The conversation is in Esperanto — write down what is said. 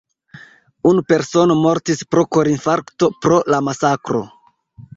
Unu persono mortis pro korinfarkto pro la masakro.